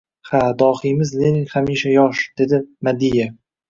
— Ha, dohiymiz Lenin hamisha yosh! — dedi Madiev.